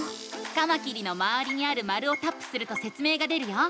カマキリのまわりにある丸をタップするとせつ明が出るよ。